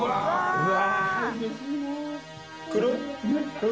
「うわ！」。